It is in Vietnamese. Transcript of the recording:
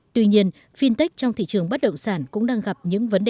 tuy nhiên fintech trong thị trường bất động sản cũng đang gặp những vấn đề